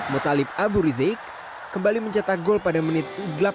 mutalib abu rizik kembali mencetak gol pada menit delapan puluh